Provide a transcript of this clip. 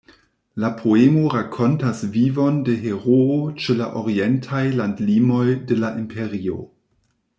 La poemo rakontas vivon de heroo ĉe la orientaj landlimoj de la Imperio.